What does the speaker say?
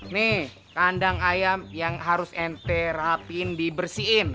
nih kandang ayam yang harus enter rapin dibersihin